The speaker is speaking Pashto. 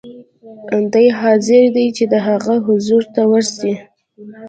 دی حاضر دی چې د هغه حضور ته ورسي.